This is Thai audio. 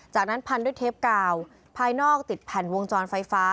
จากนั้นพันด้วยเทปกาวภายนอกติดแผ่นวงจรไฟฟ้า